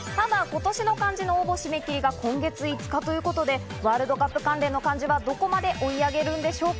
ただ今年の漢字の応募締め切りは今月５日ということで、ワールドカップ関連の漢字はどこまで追い上げるんでしょうか？